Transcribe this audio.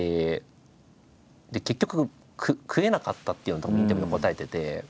で結局食えなかったっていうのをたぶんインタビューで答えてて。